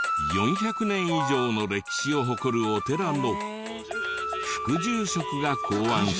４００年以上の歴史を誇るお寺の副住職が考案したのだが。